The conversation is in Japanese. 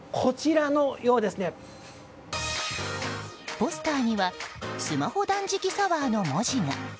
ポスターにはスマホ断食サワーの文字が。